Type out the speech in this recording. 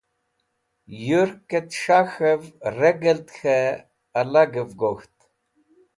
Yũrkẽt s̃hak̃hv regẽld k̃hẽ alagẽv gokht.